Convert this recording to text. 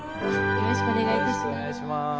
よろしくお願いします。